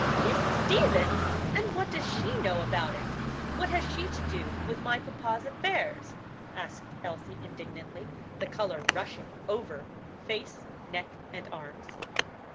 "Miss Stevens! and what does she know about it? what has she to do with my papa's affairs?" asked Elsie indignantly, the color rushing over face, neck, and arms.